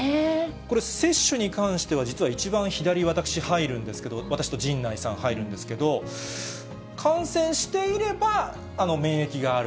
これ、接種に関しては、実は一番左、私、入るんですけど、私と陣内さん入るんですけど、感染していれば免疫がある。